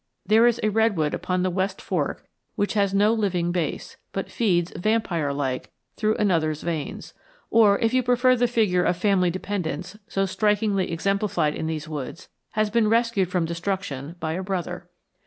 There is a redwood upon the West Fork which has no living base, but feeds, vampire like, through another's veins; or, if you prefer the figure of family dependence so strikingly exemplified in these woods, has been rescued from destruction by a brother.